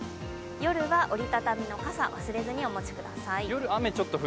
夜は折りたたみの傘忘れずにお持ちください。